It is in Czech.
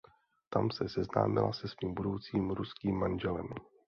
Tam se seznámila se svým budoucím ruským manželem.